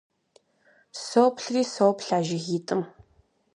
Соплъри соплъ а жыгитӀым.